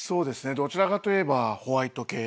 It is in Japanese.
どちらかといえばホワイト系。